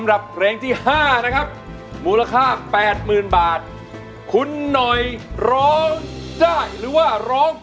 เรงที่ห้านะครับมูลค่าแปดหมื่นบาทคุณหน่อยร้อง